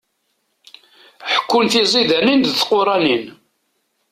Ḥekkun tizidanin d tquranin.